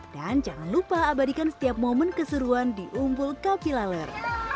dan jangan lupa abadikan setiap momen keseruan di umpul kapilaler